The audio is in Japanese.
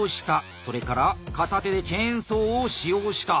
それから「片手でチェーンソー」を使用した。